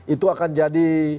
itu akan jadi